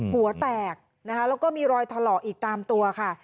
หัวแตกแล้วก็มีรอยทะเลาะอีกตามตัวค่ะ